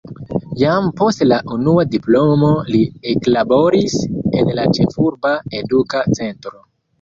Jam post la unua diplomo li eklaboris en la ĉefurba eduka centro.